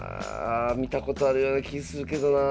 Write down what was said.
見たことあるような気するけどなあ。